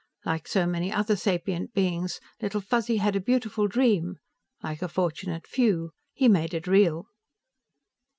Like so many other sapient beings, Little Fuzzy had a beautiful dream; like a fortunate few, he made it real."